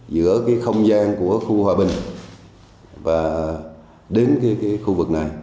giữa cái không gian của khu hòa bình và đến cái khu vực này